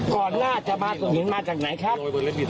ก่อนหน้าจะมากระสุนมาจากไหนครับ